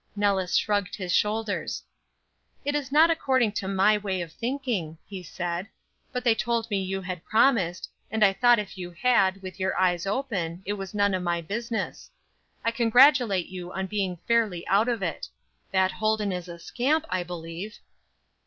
Nellis shrugged his shoulders. "It is not according to my way of thinking," he said; "but they told me you had promised, and I thought if you had, with your eyes open, it was none of my business. I congratulate you on being fairly out of it. That Holden is a scamp, I believe."